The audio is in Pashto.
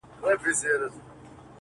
o جنگ پر شدياره ښه دئ، نه پر خاوره!